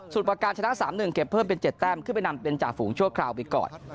ส่วนประการชนะ๓๑เก็บเพิ่มเป็น๗แต้มขึ้นไปนำเป็นจ่าฝูงชั่วคราวไปก่อน